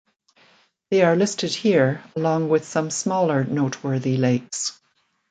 They are listed here along with some smaller noteworthy lakes.